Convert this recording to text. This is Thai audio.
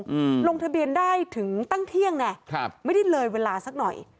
ลงทะเบียนได้ถึงตั้งเที่ยงไงครับไม่ได้เลยเวลาสักหน่อย